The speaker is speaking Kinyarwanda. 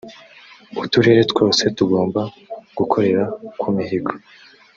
uturere twose tugomba gukorera ku mihigo